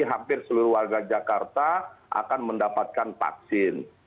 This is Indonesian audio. hampir seluruh warga jakarta akan mendapatkan vaksin